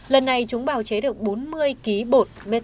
lần này chúng bảo chí là dương sản xuất được bốn kg ma túy